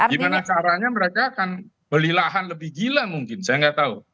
gimana caranya mereka akan beli lahan lebih gila mungkin saya nggak tahu